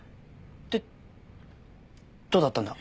でどうだったんだ？